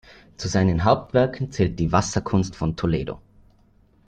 Zu seinen Hauptwerken zählt die Wasserkunst von Toledo.